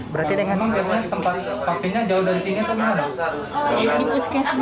berarti dengan vaksinnya jauh dari sini itu nggak ada usaha